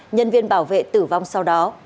nhân viên bảo vệ tử vong sau đó